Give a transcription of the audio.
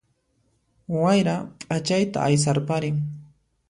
Wayra ph'achayta aysarparin